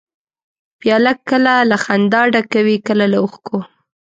پیاله کله له خندا ډکه وي، کله له اوښکو.